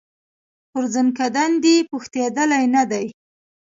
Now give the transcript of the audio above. پر زکندن دي پوښتېدلی نه دی